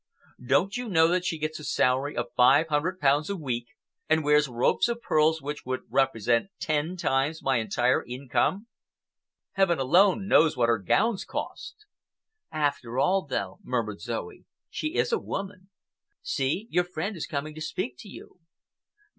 Don't you know that she gets a salary of five hundred pounds a week, and wears ropes of pearls which would represent ten times my entire income? Heaven alone knows what her gowns cost!" "After all, though," murmured Zoe, "she is a woman. See, your friend is coming to speak to you."